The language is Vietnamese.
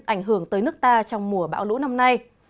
ảnh hưởng tới nước ta trong mùa bão lũ năm nay